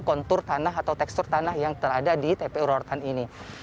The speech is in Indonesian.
kontur tanah atau tekstur tanah yang terada di tpu rorotan ini